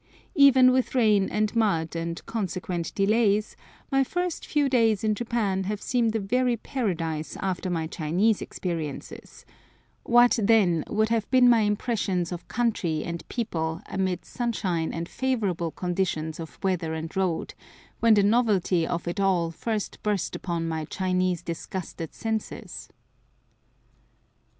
Even with rain and mud and consequent delays my first few days in Japan have seemed a very paradise after my Chinese experiences; what, then, would have been my impressions of country and people amid sunshine and favorable conditions of weather and road, when the novelty of it all first burst upon my Chinese disgusted senses?